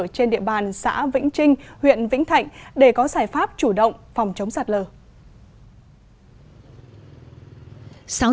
trên địa bàn xã vĩnh trinh huyện vĩnh thạnh để có giải pháp chủ động phòng chống sạt lở